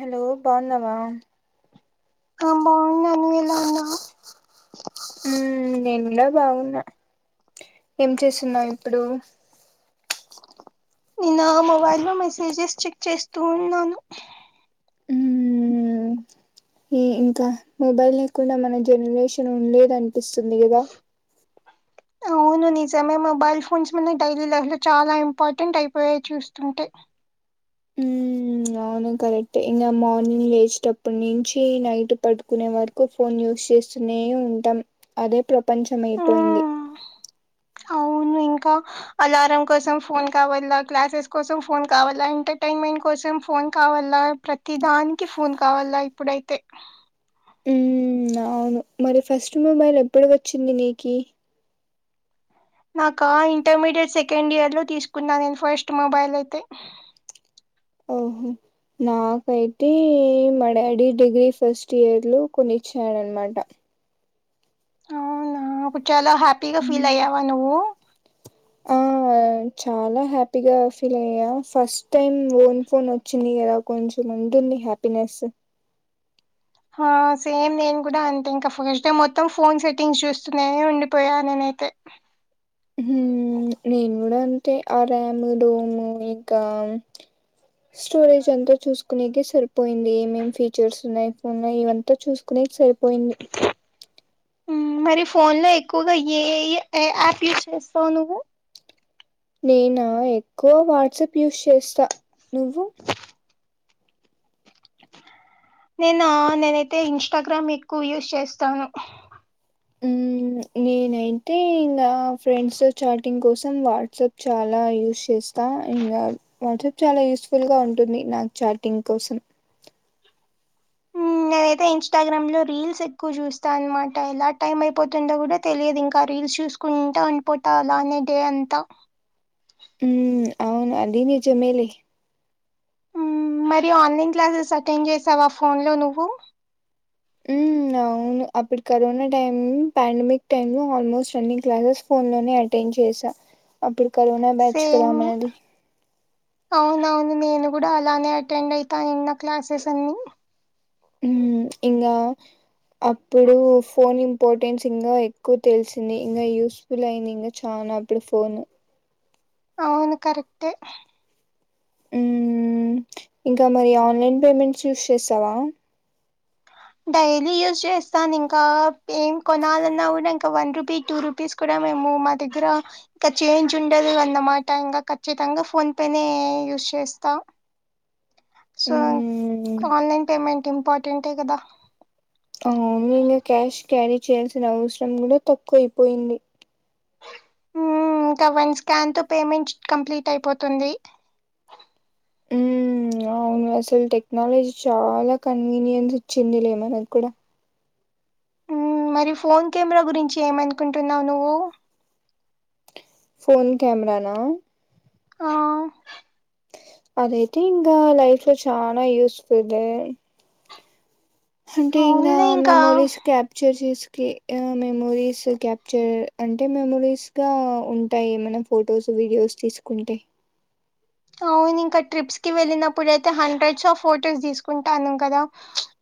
Hello బావున్నవా ఆ బాగున్నా నువ్వేల ఉన్నావు హ్మ్ నేన్ గుడా బాగున్నా ఏం చేస్తున్నావ్ ఇప్పుడు నిన్న మొబైల్లో లో మెసేజెస్ చెక్ చేస్తూ ఉన్నాను ఊ ఈ ఇంకా మొబైల్ లేకుండా మన జనరేషన్ ఉండేద అనిపిస్తుంది కదా అవును నిజమే మొబైల్ ఫ్రోన్స్ మ డైలీ లైఫ్ లో చాలా ఇంపార్టెంట్ అయిపోయా చూస్తుంటే మ్మ్ అవును కరెక్ట్ ఇంకా మార్నింగ్ లేచేటప్పటి నుంచి నైట్ పట్టుకునే వారు ఎక్కువ ఫోన్ యూస్ చేస్తూనే ఉంటాం అదే ప్రపంచం అయిపోయింది ఆ అవును ఇంకా అలారం కోసం ఫోన్ కావాల, క్లాసెస్ కోసం ఫోన్ కావాలా, ఎంటర్టైన్మెంట్ కోసం ఫోన్ కావాల. ప్రతి దానికి ఫోన్ కావాల ఇప్పుడైతే ఉమ్ అవును మరి ఫస్ట్ మొబైల్ ఎప్పటికి వచ్చింది నీకు నాకా ఇంటర్మీడియట్ సెకండ్ ఇయర్ లో తీసుకున్నా నేను ఫస్ట్ మొబైల్ అయితే ఓహో నాకైతే మా డాడీ డిగ్రీ ఫస్ట్ ఇయర్లో కొనిచ్చాడనమాట అవునా అపుడు చాలా హ్యాపీగా ఫీల్ అయ్యావా నువ్వు ఆ ఆ చాలా హ్యాపీగా ఫీల్ అయ్యా ఫస్ట్ టైం ఓన్ ఫోన్ వచ్చింది కదా కొంచెం ఉంటుంది హ్యాపీనెస్ ఆ సేమ్ నేను కూడా అంతే ఇంకా ఫస్ట్ డే మొత్తం ఫోన్ సెట్టింగ్స్ చూస్తూనే ఉండిపోయా నేనైతే ఉహు నేను కూడా అంతె ఆ ర్యామ్ డోము ఇంకా స్టోరేజ్ అంతా చూసుకునేక సరిపోయింది ఏమేం ఫీచర్స్ ఉన్నాయి ఫోన్ లో ఇవంతా చూసుకునే సరిపోయింది మరి ఫోన్ లో ఎక్కువగా ఏ ఏ యాప్ యూజ్ చేస్తావు నువ్వు నేను ఎక్కువ వాట్సాప్ యూస్ చేస్తా నువ్వు నేను నేనైతే ఇంస్టాగ్రామ్ ఎక్కువ యూస్ చేస్తాను ఊ నేనైతే నా ఫ్రెండ్స్తో చాటింగ్ కోసం వాట్సాప్ చాలా యూస్ చేస్తా త ఇంకా వాట్సాప్ చాలా యూస్ఫుల్ గా ఉంటుంది నాకు చాటింగ్ కోసం హ్మ్. నేనైతే ఇన్స్టాగ్రామ్ లో రీల్స్ ఎక్కువ చూస్తా అనమాట ఎలా టైమ్ అయిపోతుందో కూడా తెలియదు ఇంకా రీల్స్ చూసు కుంటా అన్ పోటల అనేదే అంతా ఉం అవును అది నిజమేలే మరి ఆన్లైన్ క్లాసెస్ అటెండ్ చేసావా ఆ ఫోన్ లో నువ్వు ఊ అవు అప్పుడు కరోనా టైమ్ పాండమిక్ టైమ్ లో ఆల్మోస్ట్ రన్నింగ్ క్లాసెస్ ఫోన్ లోనే టెన్ చేసా అప్పుడు కరోనా బేచుకద సేమ్ మాది అవునవును నేను కూడా అలానే అటెండ్ అవుతాన్న క్లాసెస్ అన్ని ఉమ్ ఇంక అప్పుడు ఫోన్ ఇంపార్టెన్స్ ఇంకా ఎక్కువ తెలిసింది ఇంకా యూస్ ఫుల్ ఐంది ఇంగ చానాా అప్పుడు ఫోన్ అవును కరెక్ట్ ఏ ఊమ్ ఇంకా మరి ఆన్లైన్ పేమెంట్స్ యూస్ చేస్తావా డైలీ యూజ్ చేస్తాను ఇంకా ఏం కొనాలన్నా కూడా ఇంకా వన్ రూపీ టూ రూపీస్ కూడా మేము మా దగ్గర ఇంకా చేంజ్ ఉండదు అన్నమాట ఇంకా ఖచ్చితంగా ఫోన్ పేనే యూజ్ చేస్తాం సో హ్మ్ ఆన్లైన్ పేమెంట్ ఇంపార్టెంటే కదా నేను క్యాష్ క్యారీ చేయాల్సిన అవసరం కూడా తక్కువ అయిపోయింది ఉమ్మ్ ఇంకా వన్ స్కాన్ తో పేమెంట్ కంప్లీట్ అయిపోతుంది మ్మ్ అవును అసలు టెక్నాలజీ చాలా కన్వీనియన్స్ ఇచ్చింది లేమనకి కూడా మరి ఫోన్ కెమెరా గురించి ఏమనుకుంటున్నావు నువ్వు ఫోన్ కెమెరా నా అ అదైతే ఇంకా లైఫ్ లో చనా యూస్ఫుల్ దే అంటే ఇంకా మెమోరీస్ క్యాప్చర్ చేస్కి మెమోరీస్ క్యాప్చర్ అంటే మెమోరీస్ గా ఉంటాయి మనం ఫొటోస్ వీడియోస్ తీసుకుంటే అవును ఇంకా ట్రిప్స్ కి వెళ్ళినప్పుడుయితే హండ్రెడ్స్ ఆఫ్ ఫొటోస్ తీసుకుంటానం కదా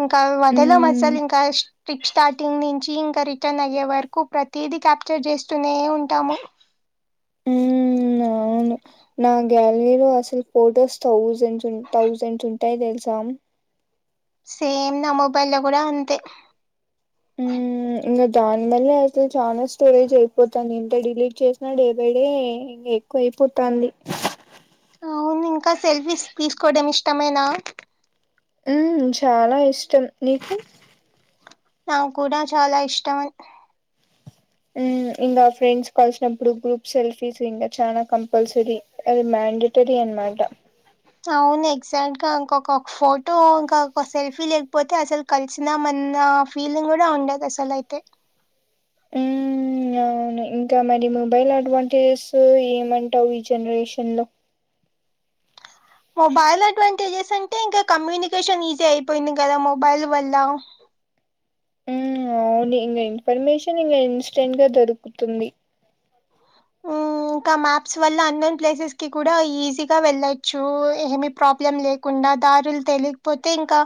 ఇంకా వదలము మ్మ్ అసలు ఇంకా స్ట్రిట్ స్టార్ట్ టింగ్ నుంచి ఇంకా రిటర్న్ అయ్యే వరకు ప్రతిది క్యాప్చర్ చేస్తూనే ఉంటాము ఉమ్మ్ ఆ అవును నా గ్యాలరీలో అసలు ఫొటోస్ థౌజండ్స్ థౌజండ్స్ ఉంటాయి తెలుసా సేమ్ నా మొబైల్ లో కూడా అంతే ఉమ్ ఇంకా దానివల్లే అసలు చాలా స్టోరేజ్ అయిపోతుంది ఇంత డిలీట్ చేసినా డే బై డే ఇంకా ఎక్కువ అయిపోతాంది అవును ఇంకా సెల్ఫీస్ తీసుకోవడం ఇష్టమేనా ఉమ్ చాలా ఇష్టం నీకు నాకు కూడా చాలా ఇష్టం ఇంకా ఫ్రెండ్స్ కలిసినప్పుడు గ్రూప్ సెల్ఫీస్ ఇంకా చానా కంపల్సరీ అది మ్యాండటరి అన్మాట అవును ఎగ్జాక్ట్ గా ఇంకొకొ ఫోటో ఇంక సెల్ఫీ లేకపోతే అసలు కలిసినామన్న ఫీలింగ్ కూడా ఉండదు అసలు అయితే మ్మ్ అవును ఇంకా మరి మొబైల్ అడ్వాంటేజెస్ ఏమంటావు ఈ జనరేషన్ లో మొబైల్ అడ్వాంటేజెస్ అంటే ఇంకా కమ్యూనికేషన్ ఈజీ అయిపోయింది కదా మొబైల్ వల్ల ఉమ్ అవును ఇంకా ఇన్ఫర్మేషన్ ఇంకా ఇన్స్టెంట్ గా దొరుకుతుంది హ్మ్ ఇంకా మ్యాప్స్ వల్ల అన్నోన్ ప్లేసెస్ కి కూడా ఈజీ గా వెళ్ళొచ్చు ఏమి ప్రాబ్లం లే కుండా దారులు తెలియకపోతే ఇంకా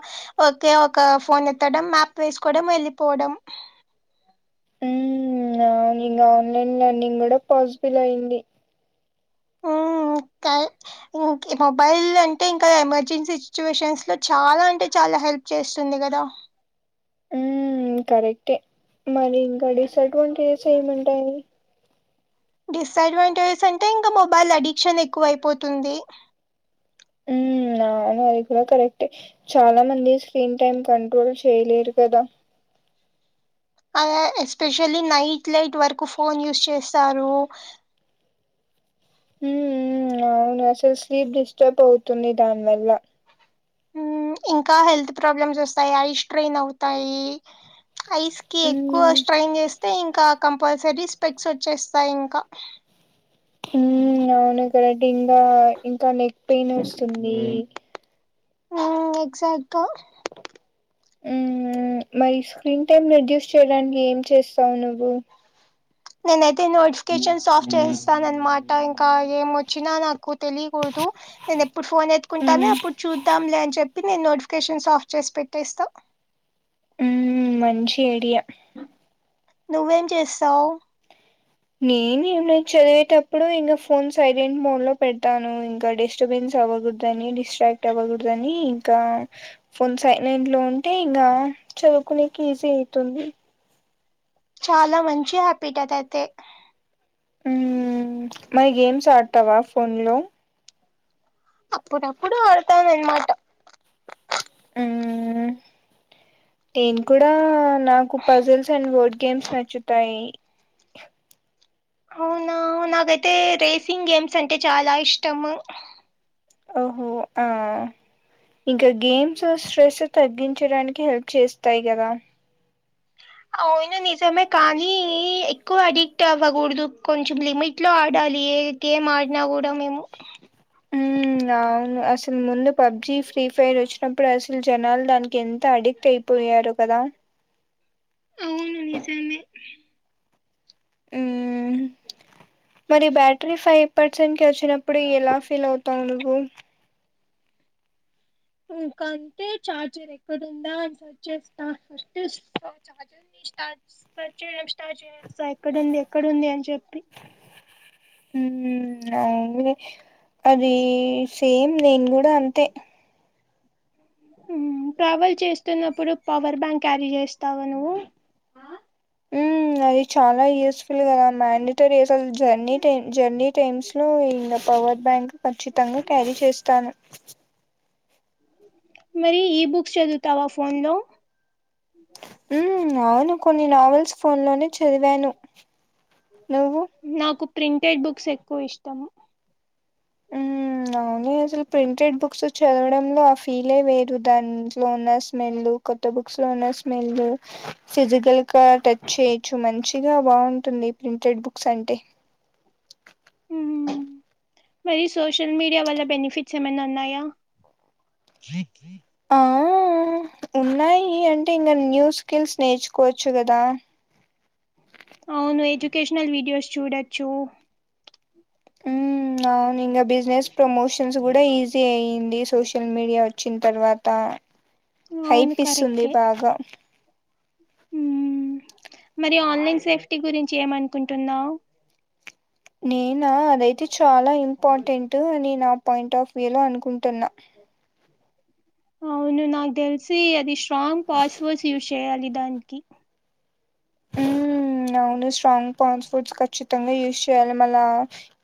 ఓకే ఒక ఫోన్ ఎత్తడం మ్యాప్ వేసుకోవడం వెళ్లిపోవడం మ్మ్ అవును ఇంగ ఆన్లైన్ లర్నింగ్ కూడా పాసిబుల్ అయ్యింది ఆ కా ఇం మొబైల్ అంటే ఇంకా ఎమర్జెన్సీ సిచ్యువేషన్స్ లో చాలా అంటే చాలా హెల్ప్ చేస్తుంది కదా ఉమ్ కరెక్టే మరి ఇంకా డిసడ్వాంటేజెస్ ఏముంటాయి డిస్డ్వాంటేజెస్ అంటే ఇంకా మొబైల్ అడిక్షన్ ఎక్కువ అయిపోతుంది ఉమ్ అవును అది కూడా కరెక్టే చాలా మంది స్క్రీన్ టైమ్ కంట్రోల్ చేయలేరు కదా ఆ ఎస్పెషల్లీ నైట్ లైట్ వరకు ఫోన్ యూస్ చేస్తారు ఉమ్ మ్మ్ అవును అసలు స్లీప్ డిస్టర్బ్ అవుతుంది దానివల్ల ఇంకా హెల్త్ ప్రాబ్లమ్స్ వస్తాయి ఐస్ స్ట్రెయిన్ అవుతాయి ఐస్ కి ఎక్కువ ఉమ్ స్ట్రైన్ చేస్తే ఇంకా కంపల్సరీ స్పెక్ట్స్ వచ్చేస్తాయి ఇంకా ఉమ్ అవును కరెక్టే ఇంకా ఇంకా నెక్ పెయిన్ వస్తుంది ఆ ఎక్సెక్ట్ గా ఉమ్ మరి స్క్రీన్ టైమ్ రిడ్యూస్ చేయడానికి ఏం చేస్తావు నువ్వు నేనైతే నోటిఫికేషన్స్ ఆఫ్ చేస్తాను అన్నమా ట ఇంకా ఏం వచ్చినా నాకు తెలియకూడదు నేను ఎప్పుడు ఫోన్ ఎత్తుకుంటానే ఉమ్ అప్పుడు చూద్దాంలే అని చెప్పి నేను నోటిఫికేషన్స్ ఆఫ్ చేసి పెట్టేస్తా ఉమ్ మంచి ఐడియా నువ్వు ఏం చేస్తావు నేను ఏం లే చదివేటప్పుడు ఇంకా ఫోన్ సైలెంట్ మోడ్ లో పెడతాను ఇంకా డెస్ డిస్టబెన్స్ అవ్వకూడదు అని డిస్ట్రాక్ట్ అవ్వకూడదని ఇంకా ఫోన్ సైనెంట్ లో ఉంటే ఇంకా చదువుకునేకి ఈజీ అవుతుంది చాలా మంచి హ్యాపీట్ అది అయితే ఉమ్ మరి గేమ్స్ ఆడతావా ఫోన్లో అప్పుడు డప్పుడు అడతాను అన్నమాటా ఉమ్ నేను కూడా నాకు పజిల్స్ అండ్ వర్డ్ గేమ్స్ నచ్చుతాయి అవునా నాకైతే రేసింగ్ గేమ్స్ అంటే చాలా ఇష్టము ఓహో ఆ ఇంకా గేమ్స్ స్ట్రెస్ తగ్గించడానికి హెల్ప్ చేస్తాయి కదా అవును నిజమే కానీ ఎక్కువ అడిక్ట్ అవ్వకూడదు కొంచెం లిమిట్ లో ఆడాలి గేమ్ ఆడినా కూడా మేము ఉమ్ అవును అసలు ముందు పబ్జి ఫ్రీ ఫైర్ వచ్చిన ప్పుడు అసలు జనాలు దానికి ఎంత అడిక్ట్ అయిపోయారో కదా అవును నిజమే ఉమ్ మరి బ్యాటరీ ఫై పర్సెంట్ కి వచ్చినప్పుడు ఎలా ఫీల్ అవుతావు నువ్వు ఇకంటే చార్జర్ ఎక్కడుందా అని సెర్చ్ చేస్తా ఫస్ర్ ఎక్కడ ఉంది ఎక్కడ ఉంది అని చెప్పి హమ్ అ అది సేమ్ నేను కూడా అంతే ఉమ్ ట్రావెల్ చేస్తున్నప్పుడు పవర్ బ్యాంక్ క్యారీ చేస్తావా నువ్వు ఉమ్ అది చాలా యూజ్ ఇలు కదా మ్యాండటరీ అస్సలు జర్నీ టైమ్ జర్నీ టైమ్స్ లో ఈ ఇంకా పవర్ బ్యాంక్ ఖచ్చితంగా క్యారీ చేస్తాను మరి ఈ బుక్స్ చదువుతావా ఫోన్ లో ఉమ్ అవును కొన్ని నావెల్స్ ఫోన్లోనే చదివాను నువ్వు నాకు ప్రింటెడ్ బుక్స్ ఎక్కువ ఇష్టం ఉమ్ అవును అసలు ప్రింటెడ్ బుక్స్ చదవడంలో ఫీలే వేరు దాంట్లో ఉన్న స్మెల్ కొత్త బుక్స్ లో ఉన్న స్మెల్ ఫిజికల్ గా టచ్ చేయచ్చు మంచిగా బాగుంటుంది ప్రింటెడ్ బుక్స్ అంటే ఉమ్ మరి సోషల్ మీడియా వల్ల బెనిఫిట్స్ ఏమైనా ఉన్నాయా త్రీ త్రీ ఆ ఉన్నాయి అంటే ఇంకా న్యూ స్కిల్స్ నేర్చుకోవచ్చు కదా అవును ఎడ్యుకేషనల్ వీడియోస్ చూడొచ్చు హ్మ్ అవును ఇంకా బిజినెస్ ప్రమోషన్స్ కూడా ఈజీ అయింది సోషల్ మీడియా వచ్చిన తర్వాత అవును హైప్ ఇస్తుంది బాగా హ్మ్ మరి ఆన్లైన్ సేఫ్టీ గురించి ఏమనుకుంటున్నావు నేనా అదయితే చాలా ఇంపార్టెంటు అని నా పాయింట్ ఆఫ్ వ్యూ లో అనుకుంటున్నా అవును నాకు తెల్సి అది స్ట్రాంగ్ పాస్ వర్డ్స్ యూస్ చేయాలి దానికి హ్మ్ అవును స్ట్రాంగ్ పాస్ వర్డ్స్ ఖచ్చితంగా యూస్ చేయాలి మళ్ళా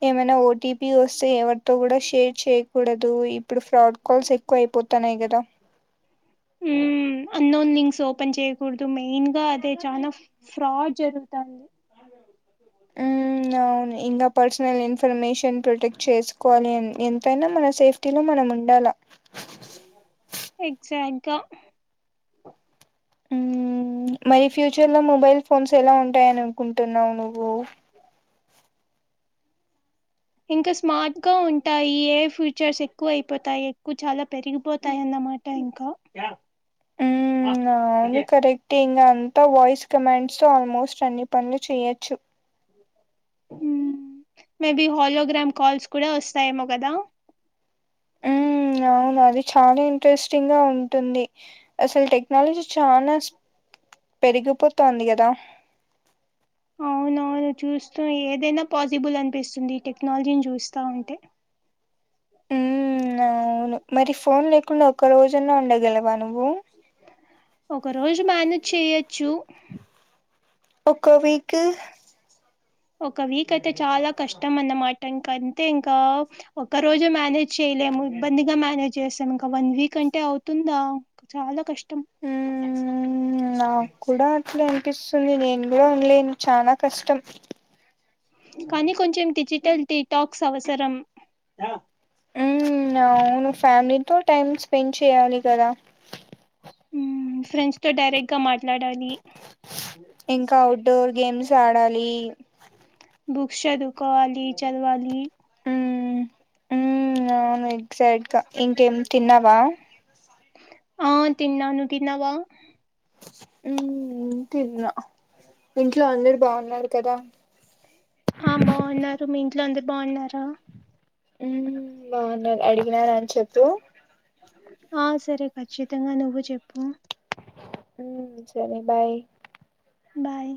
ఏమైనా ఓటీపీ వస్తే ఎవరితో కూడా షేర్ చేయకూడదు ఇప్పుడు ఫ్రాడ్ కాల్స్ ఎక్కువ అయిపోతున్నాయి కదా మ్మ్ అన్నోన్ లింక్స్ ఓపెన్ చేయకూడదు మెయిన్ గా అదే చాలా ఫ్రాడ్ జరుగుతాంది హ్మ్ ఇంకా పర్సనల్ ఇన్ఫర్మేషన్ ప్రొటెక్ట్ చేసుకోవాలి ఎంతైనా మన సేఫ్ టీలో మనం ఉండాలా ఎగ్జాట్ గా హ్మ్ మరి ఫ్యూచర్ లో మొబైల్ ఫోన్స్ ఎలా ఉంటాయని అనుకుంటున్నావు నువ్వు ఇంకా స్మార్ట్ గా ఉంటాయి ఏఐ ఫ్యూచర్స్ ఎక్కువ అయిపోతాయి ఎక్కువ చాలా పెరిగిపోతాయి అన్నమాట ట్యాంకా హ్మ్ అవును కరక్ అంతా వాయిస్ కమాండ్స్ ఆల్మోస్ట్ అన్ని పనులు చేయొచ్చు మేబి హలోగ్రామ్ కాల్స్ కూడా వస్తాయేమో కదా మ్మ్ అవును అది చాలా ఇంట్రెస్టింగ్ గా ఉంటుంది అసలు టెక్నాలజీ చాలా పెరిగిపోతుంది కదా అవునవును చూస్తూ ఏదైనా పాసిబుల్ అనిపిస్తుంది ఈ టెక్నాలజీని చూస్తా ఉంటే ఉమ్ అవును మరి ఫోన్ లేకుండా ఒక్క రోజున్నా ఉండగలవా నువ్వు ఒక రోజు మేనేజ్ చేయొచ్చు ఒక్కో వీక్ ఒక వీక్ అయితే చాలా కష్టం అన్నమాట ఇంక అంతే ఇంకా ఒక్క రోజే మేనేజ్ చేయలేము ఇబ్బందిగా మేనేజ్ చేస్తాము ఇంకా వన్ వీక్ అంటే అవుతుందా చాలా కష్టం హ్మ్ నాకు కూడా అట్లా అనిపిస్తుంది నేను కూడా ఉండలేను చాలా కష్టం కానీ కొంచెం డిజిటల్ డిటాక్స్ అవసరం హ్మ్ అవును ఫ్యామిలీతో టైమ్ స్పెండ్ చేయాలి కదా హ్మ్ ఫ్రెండ్స్ తో డైరెక్ట్ గా మాట్లాడాలి ఇంకా ఔట్ డోర్ గేమ్స్ ఆడాలి బుక్స్ చదుకోవాలి చదవాలి హ్మ్ మ్మ్ అవును ఎగ్జాక్ట్గా ఇంకేం తిన్నావా ఆ తిన్నాను నువ్ తిన్నావా హ్మ్ తిన్లా ఇంట్లో అందరు బాగున్నారు కదా ఆ బావున్నారు మీ ఇంట్లో అందరు బావున్నారా బాగున్నా అడిగినాను అని చెప్పు ఆ సరే ఖచ్చితంగా నువ్వు చెప్పు ఉ సరే బాయ్ బాయ్